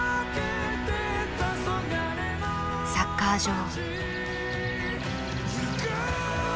サッカー場。